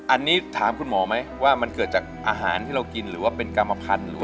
อันนี้ถามคุณหมอไหมว่ามันเกิดจากอาหารที่เรากินหรือว่าเป็นกรรมพันธุ์